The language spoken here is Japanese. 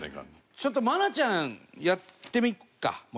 ちょっと愛菜ちゃんやってみるかもう１回。